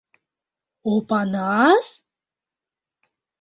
— Опанас?!